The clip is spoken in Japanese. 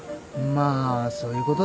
まあそういうことだな。